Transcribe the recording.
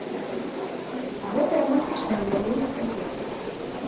Гэта рамантычнае ўяўленне пра свет.